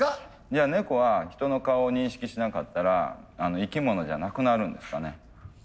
じゃあ猫は人の顔を認識しなかったら生き物じゃなくなるんですかね？